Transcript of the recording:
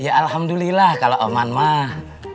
ya alhamdulillah kalau aman mah